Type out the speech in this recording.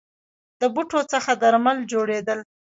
د بوټو څخه درمل جوړیدل